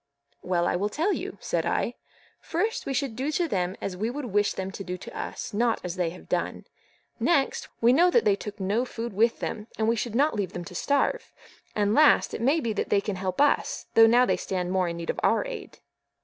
"Well, I will tell you," said I. "First, we should do to them as we would wish them to do to us, not as they have done; next, we know that they took no food with them, and we should not leave them to starve; and last, it may be that they can help us, though now they stand more in need of our aid."